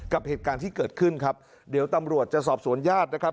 กับเหตุการณ์ที่เกิดขึ้นครับเดี๋ยวตำรวจจะสอบสวนญาตินะครับ